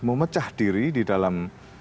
memecah diri di dalam